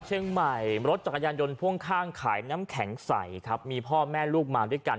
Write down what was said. เชียงใหม่รถจักรยานยนต์พ่วงข้างขายน้ำแข็งใสครับมีพ่อแม่ลูกมาด้วยกัน